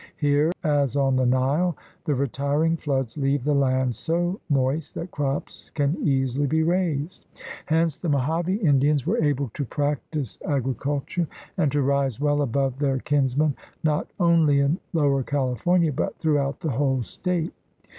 Here, as on the Nile, the retiring floods leave the land so moist that crops can easily be raised. Hence the Mohave Indians were able to practice agriculture and to rise well above their kinsmen not only in Lower California but through out the whole State.